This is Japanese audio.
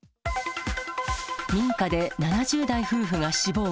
民家で７０代夫婦が死亡。